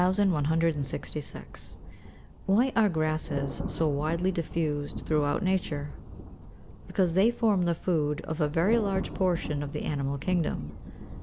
Why are grasses so widely diffused throughout nature? Because they form the food of a very large portion of the animal kingdom.